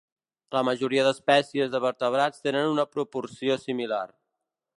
La majoria d'espècies de vertebrats tenen una proporció similar.